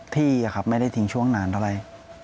ที่ครับไม่ได้ทิ้งช่วงนานเท่าไหร่